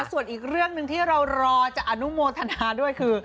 ส่วนอีกเรื่องหนึ่งที่เรารอจะอนุโมทนาด้วยคือ